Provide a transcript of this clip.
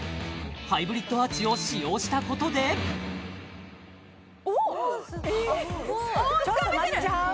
ハイブリッドアーチを使用したことでおおっちょっとマシちゃう？